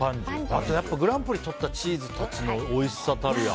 あと、グランプリとったチーズたちのおいしさたるや。